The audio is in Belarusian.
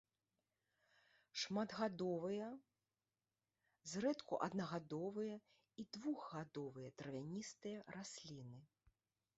Шматгадовыя, зрэдку аднагадовыя і двухгадовыя травяністыя расліны.